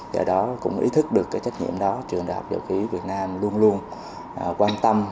do đó cũng ý thức được cái trách nhiệm đó trường đại học dầu khí việt nam luôn luôn quan tâm